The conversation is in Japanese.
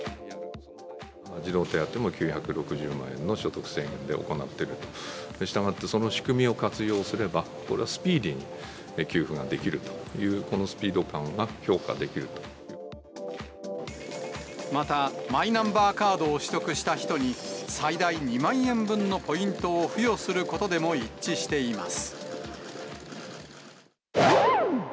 児童手当も９６０万円の所得制限で行っていると、したがって、その仕組みを活用すれば、これはスピーディーに給付ができるという、このスピード感は評価できるまたマイナンバーカードを取得した人に、最大２万円分のポイントを付与することでも一致しています。